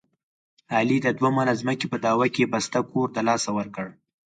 علي د دوه منه ځمکې په دعوه کې بسته کور دلاسه ورکړ.